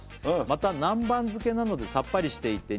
「また南蛮漬けなのでさっぱりしていて」